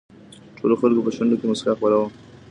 ټولو خلکو په شونډو کې مسکا خپره شوه.